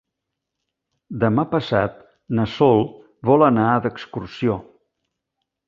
Demà passat na Sol vol anar d'excursió.